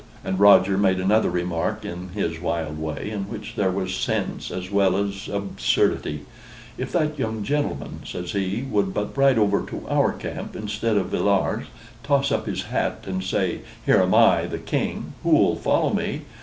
And Roger made another remark in his wild way, in which there was sense as well as absurdity "If that young gentleman," says he, "would but ride over to our camp, instead of Villars's, toss up his hat and say, 'Here am I, the King, who'll follow me?'